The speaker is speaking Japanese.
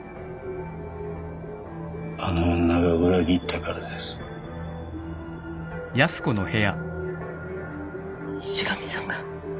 あの女が裏切ったからです石神さんが？